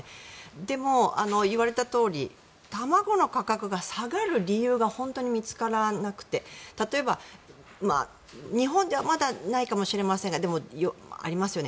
でも、言われたとおり卵の価格が下がる理由が本当に見つからなくて例えば、日本ではまだないかもしれませんがでもありますよね。